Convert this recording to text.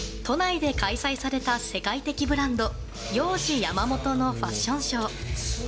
都内で開催された世界的ブランドヨウジヤマモトのファッションショー。